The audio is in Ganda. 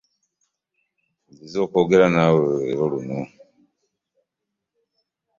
Nzize okwogera naawe leeo . luno .